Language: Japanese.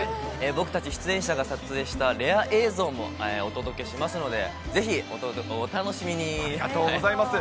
僕たち出演者が撮影したレア映像もお届けしますので、ぜひ、ありがとうございます。